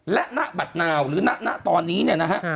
และหน้าบัดนาวหรือหน้าตอนนี้นะฮะ